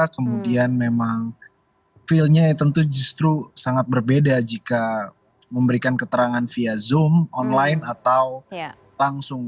kemudian memang feelnya tentu justru sangat berbeda jika memberikan keterangan via zoom online atau langsung